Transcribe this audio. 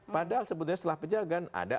padahal sebetulnya setelah pejagan ada